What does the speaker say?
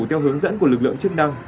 theo hướng dẫn của lực lượng chức năng